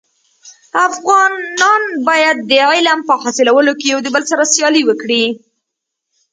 افغانان باید د علم په حاصلولو کي يو دبل سره سیالي وکړي.